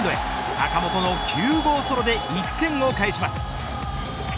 坂本の９号ソロで１点を返します。